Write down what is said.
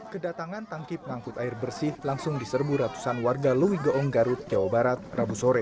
kedatangan tangki pengangkut air bersih langsung diserbu ratusan warga loigoong garut jawa barat rabu sore